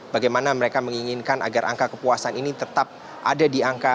bagaimana mereka menginginkan agar angka kepuasan ini tetap ada di angka